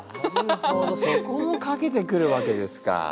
なるほどそこもかけてくるわけですか。